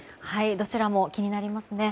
どちらも気になりますね。